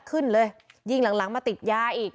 ขึ้นเลยยิงหลังมาติดยาอีก